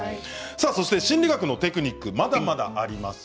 心理学のテクニックまだまだあります。